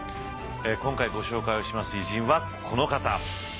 今回ご紹介をします偉人はこの方。